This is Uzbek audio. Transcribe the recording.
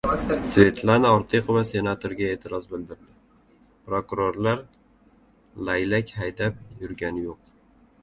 Svetlana Ortiqova senatorga e’tiroz bildirdi: prokurorlar «laylak haydab» yurgani yo‘q...